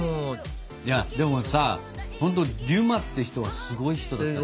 でもさほんとデュマって人はすごい人だったね。